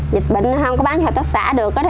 dịch bệnh không có bán hợp tác xã được